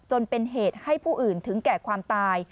จนเป็นเหตุให้ผู้อื่นถึงแก่ความตาย